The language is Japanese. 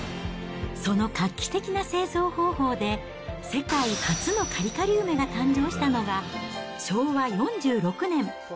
その画期的な製造方法で世界初のカリカリ梅が誕生したのは、昭和４６年。